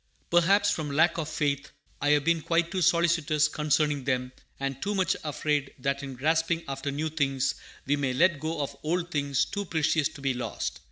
Perhaps from lack of faith, I have been quite too solicitous concerning them, and too much afraid that in grasping after new things we may let go of old things too precious to be lost.